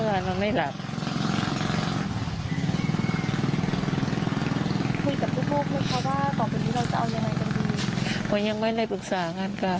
ก็ยังไม่ร่อยปรึกษางานก็